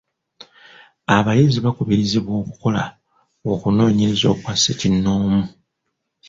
Abayizi bakubirizibwa okukola okunoonyereza okwa ssekinnoomu.